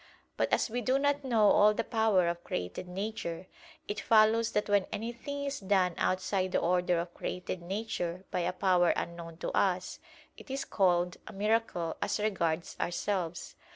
But as we do not know all the power of created nature, it follows that when anything is done outside the order of created nature by a power unknown to us, it is called a miracle as regards ourselves.